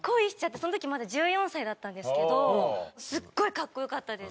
その時まだ１４歳だったんですけどすごい格好良かったです。